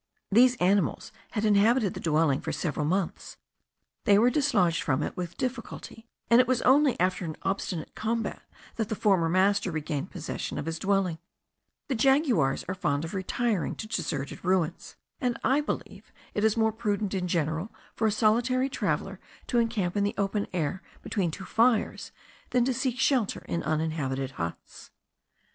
These animals had inhabited the dwelling for several months; they were dislodged from it with difficulty, and it was only after an obstinate combat that the former master regained possession of his dwelling. The jaguars are fond of retiring to deserted ruins, and I believe it is more prudent in general for a solitary traveller to encamp in the open air, between two fires, than to seek shelter in uninhabited huts.